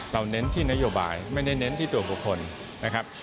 เน้นที่นโยบายไม่ได้เน้นที่ตัวบุคคลนะครับ